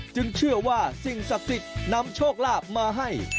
เชื่อว่าสิ่งศักดิ์สิทธิ์นำโชคลาภมาให้